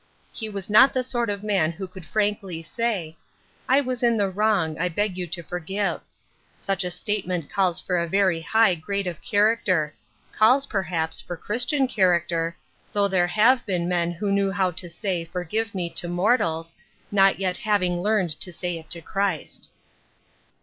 He was not the sort of man who could frankly say, " I was in the wrong, I beg you will forgive." Such a statement calls for a very high grade of charac ter ; calls, perhaps, for Christian character, though there have been men who knew how to say " for give me " to mortals, not yet having learned to say it to Christ.